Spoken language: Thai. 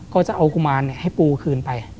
ก็จะเอากุมารให้ปูคืนไป